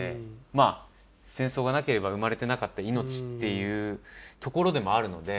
まあ戦争がなければ生まれてなかった命っていうところでもあるので。